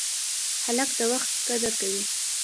هلک د وخت قدر کوي.